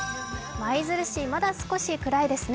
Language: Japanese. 舞鶴市、まだ少し暗いですね。